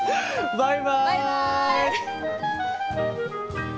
バイバイ！